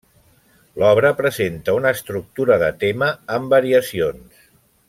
L'obra presenta una estructura de tema amb variacions.